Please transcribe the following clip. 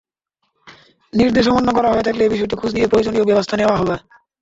নির্দেশ অমান্য করা হয়ে থাকলে বিষয়টি খোঁজ নিয়ে প্রয়োজনীয় ব্যবস্থা নেওয়া হবে।